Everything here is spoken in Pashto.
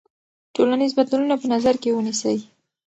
ټولنیز بدلونونه په نظر کې ونیسئ.